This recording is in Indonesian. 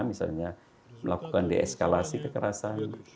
misalnya melakukan deeskalasi kekerasan